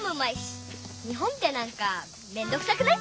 日本ってなんかめんどくさくない？